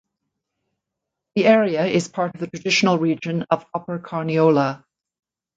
The area is part of the traditional region of Upper Carniola.